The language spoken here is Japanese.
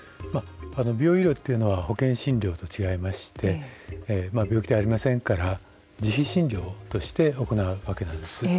美容医療というのは保険診療と違いまして病気ではありませんから自費診療として行うわけなんです。